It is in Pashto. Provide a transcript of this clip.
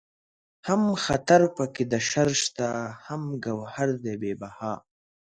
هم خطر پکې د شر شته هم گوهر دئ بې بها